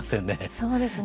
そうですね。